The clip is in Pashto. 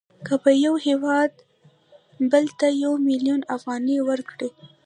که یو هېواد بل ته یو میلیون افغانۍ ورکړي